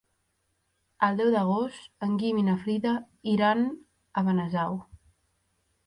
El deu d'agost en Guim i na Frida iran a Benasau.